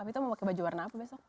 vito mau pakai baju warna apa besok